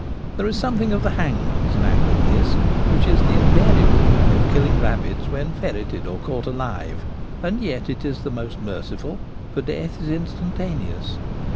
There is something of the hangman's knack in this, which is the invariable way of killing rabbits when ferreted or caught alive ; and yet it is the most merciful, for death is instantaneous.